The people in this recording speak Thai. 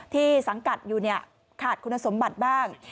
สังกัดอยู่ขาดคุณสมบัติบ้าง